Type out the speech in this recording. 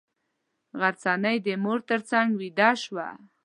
غرڅنۍ د مور تر څنګه ویده شوه.